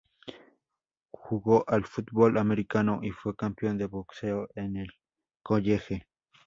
Jugó al fútbol americano y fue campeón de boxeo en el college.